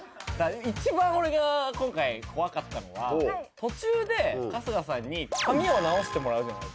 一番俺が今回怖かったのは途中で春日さんに髪を直してもらうじゃないですか。